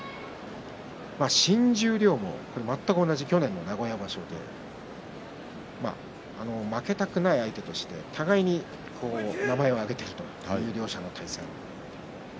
新十両も全く同じ去年の名古屋場所負けたくない相手として互いに名前を挙げているという両者の対戦。